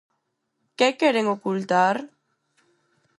¿Que queren ocultar?